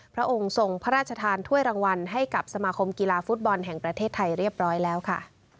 พระองค์ทรงพระราชทานถ้วยรางวัลให้กับสมาคมกีฬาฟุตบอลแห่งประเทศไทยเรียบร้อยแล้วค่ะ